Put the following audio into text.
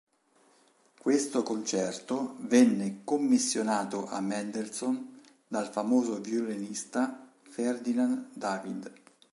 Questo concerto venne commissionato a Mendelssohn dal famoso violinista Ferdinand David.